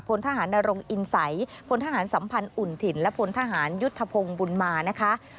พลทหารนรงอินใสพลทหารสัมพันธ์อุ่นถิ่นและพลทหารยุทธพงศ์บุญมานะคะ